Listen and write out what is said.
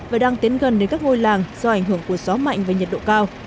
và đang tiến gần đến các ngôi làng do ảnh hưởng của gió mạnh và nhiệt độ cao